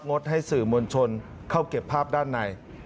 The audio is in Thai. ดให้สื่อมวลชนเข้าเก็บภาพด้านใน